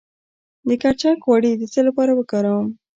د کرچک غوړي د څه لپاره وکاروم؟